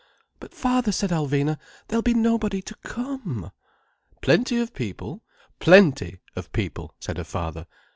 "But father," said Alvina, "there'll be nobody to come." "Plenty of people—plenty of people," said her father.